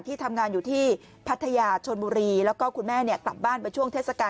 ที่ทำงานอยู่ที่ปัทยาชนมุรีแล้ว